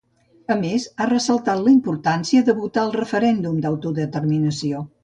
A més, ha ressaltat la importància de votar al referèndum d'autodeterminació